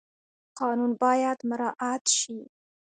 قانون باید مراعات شي